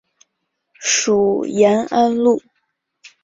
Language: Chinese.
属延安路。